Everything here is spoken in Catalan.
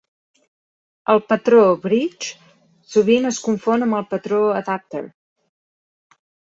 El patró Bridge sovint es confon amb el patró Adapter.